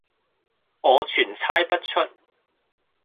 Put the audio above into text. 我全猜不出。